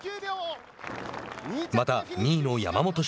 また２位の山本翔